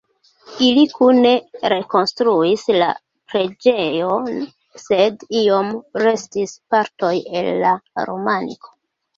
Ili kune rekonstruis la preĝejon, sed iom restis partoj el la romaniko.